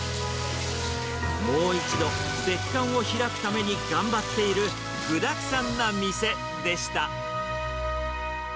もう一度、別館を開くために頑張っている具だくさんな店でした。